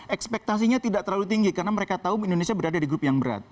ekspektasinya tidak terlalu tinggi karena mereka tahu indonesia berada di grup yang berat